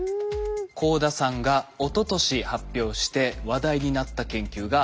幸田さんがおととし発表して話題になった研究があるんです。